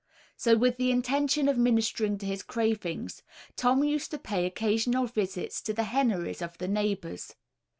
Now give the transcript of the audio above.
So, with the intention of ministering to his cravings, Tom used to pay occasional visits to the henneries of the neighbours.